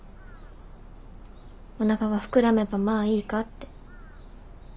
おなかが膨らめばまあいいかって。